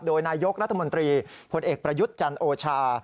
โดยนายกรัฐมนตรีพลเอกประยุทธ์จันโอชา